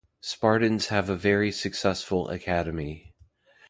Spartans have a very successful academy.